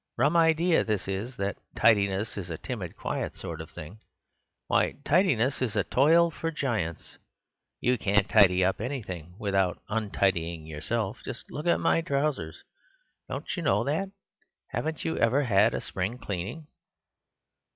Rum idea this is, that tidiness is a timid, quiet sort of thing; why, tidiness is a toil for giants. You can't tidy anything without untidying yourself; just look at my trousers. Don't you know that? Haven't you ever had a spring cleaning?"